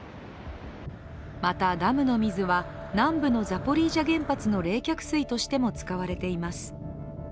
また、ダムの水は南部のザポリージャ原発の冷却水としても使われています。